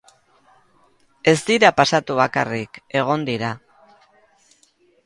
Ez dira pasatu bakarrik, egon dira.